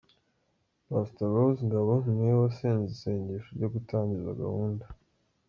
Pastor Rose Ngabo ni we wasenze isengesho ryo gutangiza gahunda.